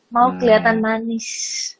mau keliatan manis